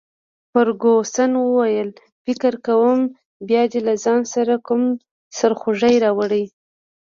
فرګوسن وویل: فکر کوم بیا دي له ځان سره کوم سرخوږی راوړی.